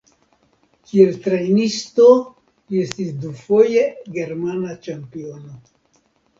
Kiel trejnisto li estis dufoje germana ĉampiono.